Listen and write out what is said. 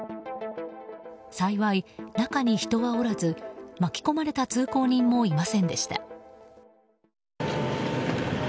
幸い、中に人はおらず巻き込まれた通行人もいませんでした。